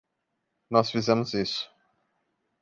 Nós fizemos isso.